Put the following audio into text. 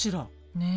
ねえ。